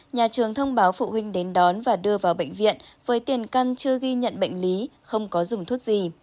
nhà trường thông báo phụ huynh đến đón và đưa vào bệnh viện với tiền căn chưa ghi nhận bệnh lý không có dùng thuốc gì